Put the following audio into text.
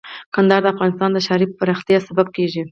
کندهار د افغانستان د ښاري پراختیا سبب کېږي.